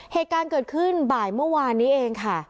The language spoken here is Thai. เหตุการณ์เกิดขึ้นบ่ายเมื่อวานนี้เองค่ะ